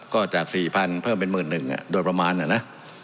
ก็จาก๔๐๐๐เพิ่มเป็น๑๑๐๐บาทโดยประมาณนะ